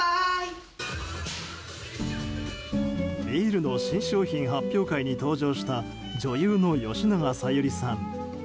ビールの新商品発表会に登場した女優の吉永小百合さん。